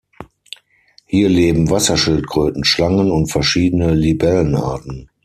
Hier leben Wasserschildkröten, Schlangen und verschiedene Libellenarten.